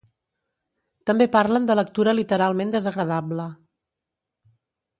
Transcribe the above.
També parlen de lectura literalment desagradable.